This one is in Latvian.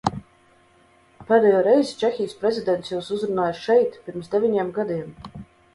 Pēdējo reizi Čehijas prezidents jūs uzrunāja šeit pirms deviņiem gadiem.